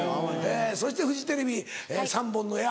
そしてフジテレビ３本の矢。